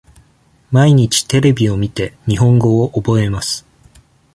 毎日テレビを見て、日本語を覚えます。